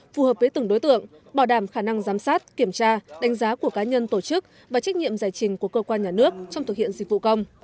phù hợp với từng đối tượng bảo đảm khả năng giám sát kiểm tra đánh giá của cá nhân tổ chức và trách nhiệm giải trình của cơ quan nhà nước trong thực hiện dịch vụ công